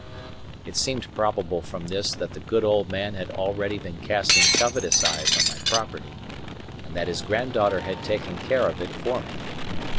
It seemed probable from this that the good old man had already been casting covetous eyes on my property, and that his granddaughter had taken care of it for me.